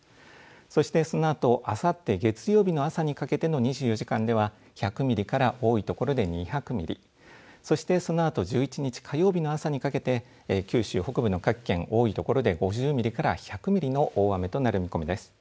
そしてそのあとあさって月曜日の朝にかけての２４時間では１００ミリから多いところで２００ミリ、そしてそのあと１１日火曜日の朝にかけて九州北部の各県多いところで５０ミリから１００ミリの大雨となる見込みです。